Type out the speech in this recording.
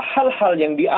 hal hal yang dianggap